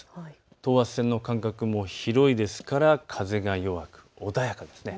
等圧線の間隔も広いですから風が弱く穏やかです。